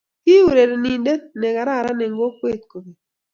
Kii urereninte ne kararan eng kokwee kobek.